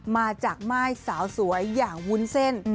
มาจากม่ายสาวสวยอย่างวุ้นเส้น